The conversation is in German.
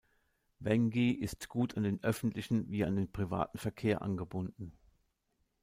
Wängi ist gut an den öffentlichen wie an den privaten Verkehr angebunden.